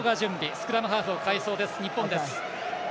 スクラムハーフを代えそうです日本。